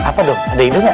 apa dong ada ide gak